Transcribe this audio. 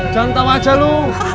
jangan tawa aja lu